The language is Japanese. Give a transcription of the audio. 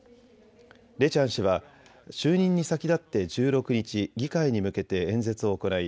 レチャン氏は就任に先立って１６日、議会に向けて演説を行い